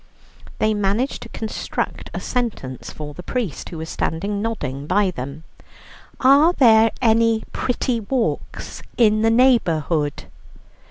They managed to construct a sentence for the priest, who was standing nodding by them: "Are there any pretty walks in the neighbourhood?"